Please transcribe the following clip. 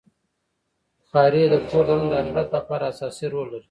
بخاري د کور دننه د حرارت لپاره اساسي رول لري.